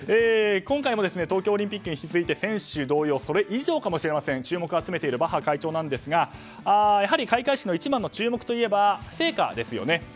今回も東京オリンピックに続いて選手同様それ以上かもしれません注目を集めているバッハ会長ですがやはり開会式の一番の注目といえば聖火ですよね。